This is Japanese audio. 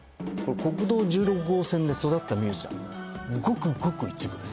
国道１６号線で育ったミュージシャンごくごく一部です